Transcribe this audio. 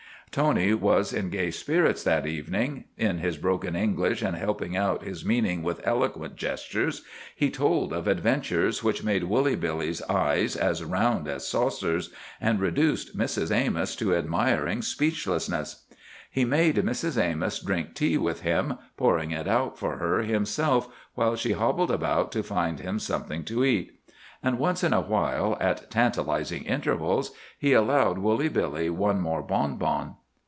Tony was in gay spirits that evening. In his broken English, and helping out his meaning with eloquent gestures, he told of adventures which made Woolly Billy's eyes as round as saucers and reduced Mrs. Amos to admiring speechlessness. He made Mrs. Amos drink tea with him, pouring it out for her himself while she hobbled about to find him something to eat. And once in a while, at tantalizing intervals, he allowed Woolly Billy one more bon bon.